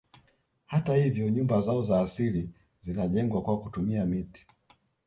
Hata hivyo nyumba zao za asili zinajengwa kwa kutumia miti